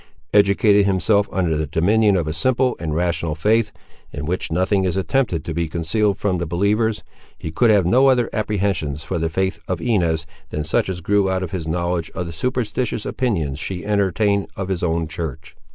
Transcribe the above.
Educated himself under the dominion of a simple and rational faith, in which nothing is attempted to be concealed from the believers, he could have no other apprehensions for the fate of Inez than such as grew out of his knowledge of the superstitious opinions she entertained of his own church.